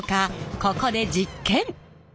ここで実験！